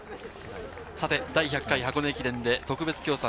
第１００回箱根駅伝で特別協賛